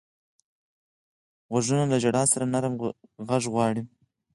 غوږونه له ژړا سره نرمه غږ غواړي